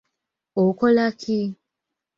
Okola ki?